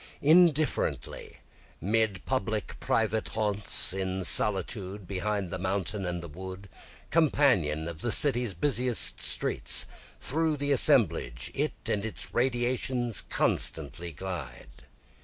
Indifferently, 'mid public, private haunts, in solitude, Behind the mountain and the wood, Companion of the city's busiest streets, through the assemblage, It and its radiations constantly glide.